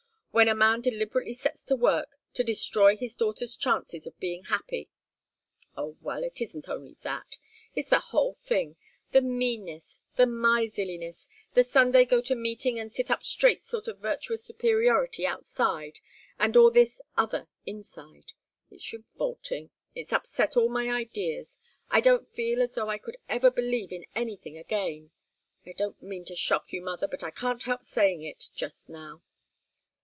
When a man deliberately sets to work to destroy his daughter's chances of being happy oh, well! It isn't only that. It's the whole thing, the meanness, the miserliness, the Sunday go to meeting and sit up straight sort of virtuous superiority outside and all this other inside. It's revolting. It's upset all my ideas. I don't feel as though I could ever believe in anything again. I don't mean to shock you, mother, but I can't help saying it, just now."